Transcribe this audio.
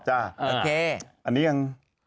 อันนี้ยัง